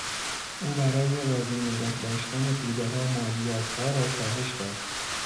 او برای راضی نگهداشتن تودهها مالیاتها را کاهش داد.